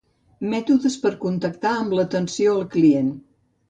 Mètodes per contactar amb l'atenció al client.